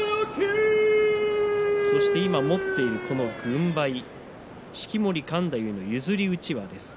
そして今持っている軍配式守勘太夫の譲りうちわです。